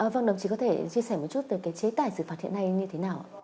vâng đồng chí có thể chia sẻ một chút về chế tài xử phạt hiện nay như thế nào